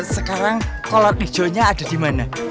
sekarang kolor ijonya ada di mana